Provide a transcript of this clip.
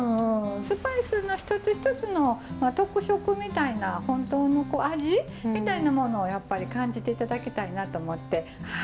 スパイスの一つ一つの特色みたいな本当の味みたいなものをやっぱり感じて頂きたいなと思ってはい。